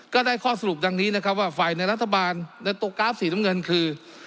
ก็ได้ข้อสรุปดังนี้นะครับว่าฝ่ายในรัฐบาลในตัวกราฟสีน้ำเงินคือ